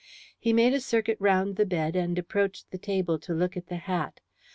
He made a circuit round the bed and approached the table to look at the hat.